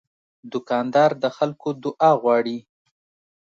دوکاندار د خلکو دعا غواړي.